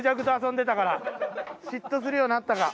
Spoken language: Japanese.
嫉妬するようなったか。